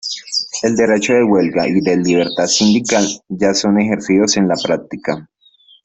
El derecho de huelga y de libertad sindical son ya ejercidos en la práctica.